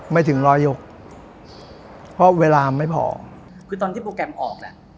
ไม่ถึงร้อยยกเพราะเวลาไม่พอคือตอนที่โปรแกรมออกน่ะ